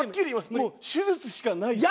もう手術しかないです。